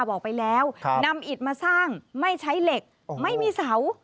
บอกไปแล้วนำอิดมาสร้างไม่ใช้เหล็กไม่มีเสา